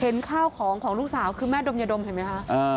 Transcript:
เห็นข้าวของลูกสาวคือแม่ดมยะดมเห็นไหมคะ